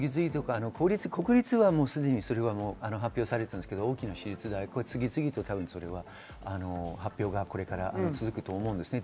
国立はすでに発表されていますが、大きな私立大も次々と発表がこれから続くと思います。